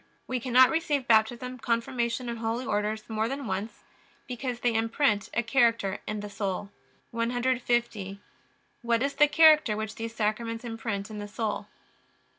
We cannot receive Baptism, Confirmation, and Holy Orders more than once, because they imprint a character in the soul. 150. Q. What is the character which these Sacraments imprint in the soul?